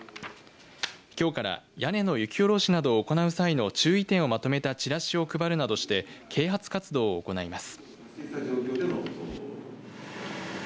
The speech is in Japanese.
きょうから屋根の雪下ろしなどを行う際の注意点をまとめたチラシを配るなどして啓発活動を行います。